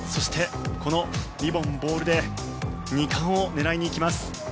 そして、このリボン・ボールで２冠を狙いに行きます。